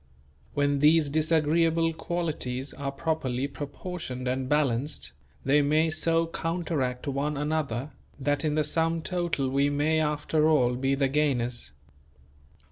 When these disagreeable qualities are properly proportioned and balanced, they may so counteract one another, that in the sum total we may after all be the gainers.